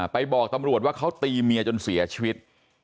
บอกตำรวจว่าเขาตีเมียจนเสียชีวิต